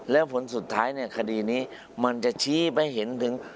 แล้วผลสุดท้ายเนี่ยคดีนี้มันจะชี้ไปเห็นถึง